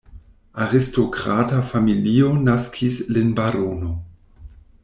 Aristokrata familio naskis lin barono.